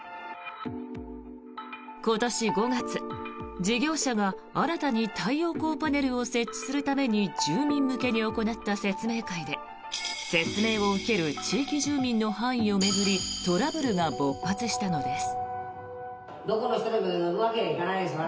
今年５月、事業者が新たに太陽光パネルを設置するために住民向けに行った説明会で説明を受ける地域住民の範囲を巡りトラブルが勃発したのです。